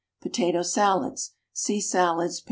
POTATO SALADS. (See SALADS, p.